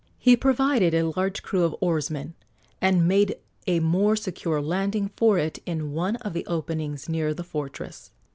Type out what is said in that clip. He provided a large crew of oarsmen, and made a more secure landing for it in one of the openings near the fortress.